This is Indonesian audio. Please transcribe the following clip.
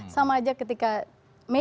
sama aja ketika media